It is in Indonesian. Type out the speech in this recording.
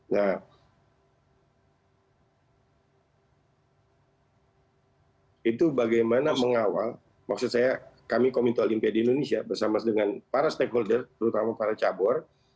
nah itu bagaimana mengawal maksud saya kami komite olimpiade indonesia bersama dengan para stakeholder terutama para cabur